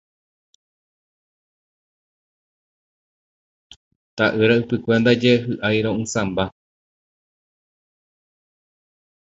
Ta'ýra ypykue ndaje hy'airo'ysãmba.